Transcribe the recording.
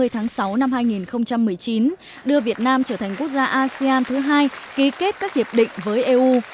hai mươi tháng sáu năm hai nghìn một mươi chín đưa việt nam trở thành quốc gia asean thứ hai ký kết các hiệp định với eu